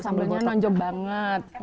sambalnya nonjok banget